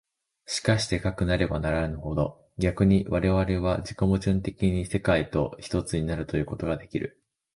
しかしてかくなればなるほど、逆に我々は自己矛盾的に世界と一つになるということができる。